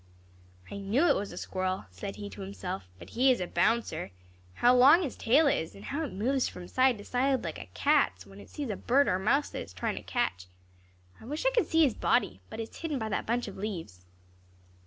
"I knew it was a squirrel," said he to himself; "but he is a bouncer! How long his tail is! and how it moves from side to side like a cat's, when it sees a bird or a mouse that it is trying to catch. I wish I could see his body, but it is hidden by that bunch of leaves."